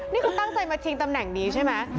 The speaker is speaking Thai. นี่คือตั้งใจมาชิงตำแหน่งนี้ใช่ไหม